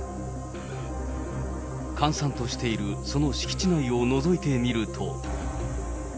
閑散としているその敷地内をのぞいてみると。